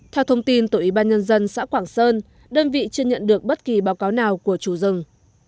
theo thông tin từ ủy ban nhân dân xã quảng sơn đơn vị chưa nhận được bất kỳ báo cáo nào của chủ rừng